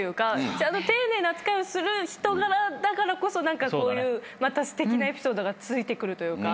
ちゃんと丁寧な扱いをする人柄だからこそこういうすてきなエピソードがついてくるというか。